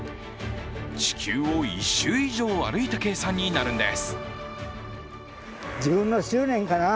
地球を１周以上歩いた計算になるんです。